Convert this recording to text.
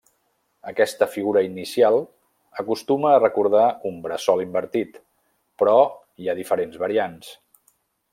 Aquesta figura inicial acostuma a recordar un bressol invertit, però hi ha diferents variants.